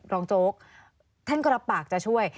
โจ๊กท่านก็รับปากจะช่วย